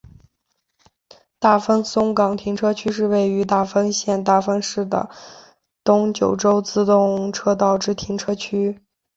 大分松冈停车区是位于大分县大分市的东九州自动车道之停车区。